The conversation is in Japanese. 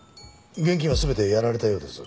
現金は全てやられたようです。